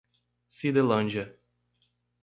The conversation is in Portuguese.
Cidelândia